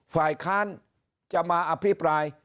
ฝ่ายค้านจะมาอภิปราย